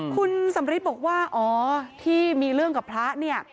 คุณสำริทบอกว่าอ๋อที่มีเรื่องกับพระเนี่ย